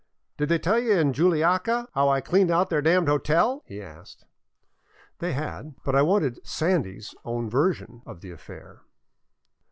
" Did they tell you in Juliaca how I cleaned out their damned hotel," he asked. They had, but I wanted Sandy's " own version of the affair.